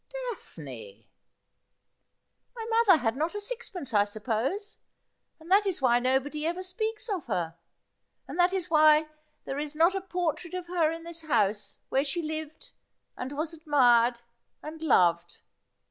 ' Daphne !'' My mother ha^ not a sixpence, I suppose ; and that is why nobody ever speaks of her ; and that is why there is not a por trait of her in this house, where she lived, and was admired, and loved.